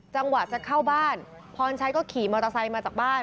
จังหวะจะเข้าบ้านพรชัยก็ขี่มอเตอร์ไซค์มาจากบ้าน